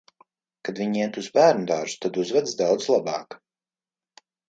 Kad viņa iet uz bērnu dārzu, tad uzvedas daudz labāk.